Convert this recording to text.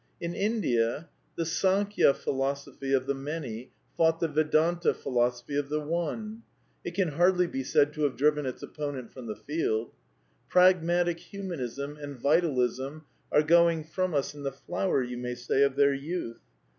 In India the Sankya philosophy of the Many fought the Ve danta philosophy of the One. It can hardly be said to have driven its opponent from the field. Pragmatic Humanism and Vitalism are going from us in the flower, you may say, of their youth.